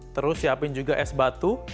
terus siapin juga es batu